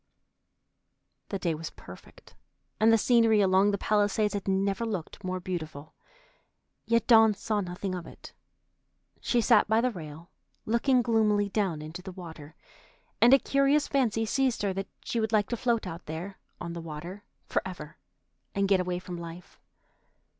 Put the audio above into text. The day was perfect, and the scenery along the Palisades had never looked more beautiful, yet Dawn saw nothing of it. She sat by the rail looking gloomily down into the water, and a curious fancy seized her that she would like to float out there on the water forever and get away from life.